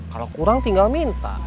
kalau kurang tinggal minta